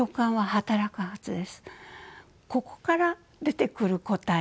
ここから出てくる答え